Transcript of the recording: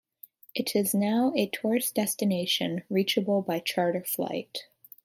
It is now a tourist destination reachable by charter flight.